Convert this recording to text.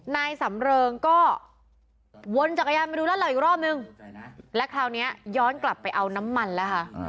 นายสำเริงก็วนจักรยานมาดูร้านเราอีกรอบนึงและคราวนี้ย้อนกลับไปเอาน้ำมันแล้วค่ะ